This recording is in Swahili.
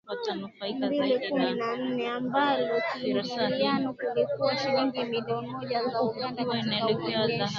mbili kumi na nne ambalo kiingilioni kilikuwa shilingi milioni moja za Uganda Katika onesho